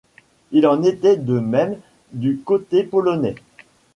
Il en était de même du côté polonais.